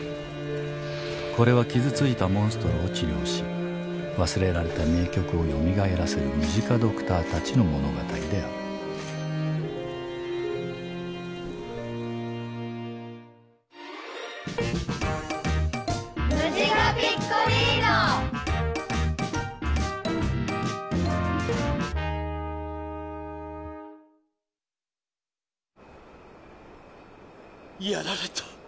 これは傷ついたモンストロを治療し忘れられた名曲をよみがえらせるムジカドクターたちの物語であるやられた。